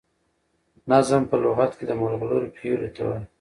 نظم په لغت کي د ملغرو پېيلو ته وايي.